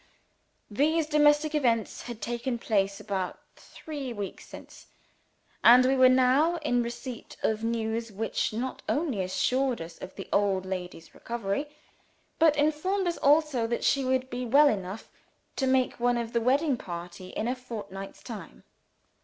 These domestic events had taken place about three weeks since; and we were now in receipt of news which not only assured us of the old lady's recovery, but informed us also that she would be well enough to make one of the wedding party in a fortnight's time.